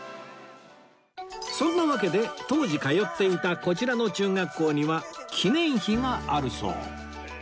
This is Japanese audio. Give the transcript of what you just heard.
そんなわけで当時通っていたこちらの中学校には記念碑があるそう